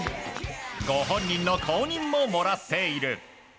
ご本人の公認も、もらっている。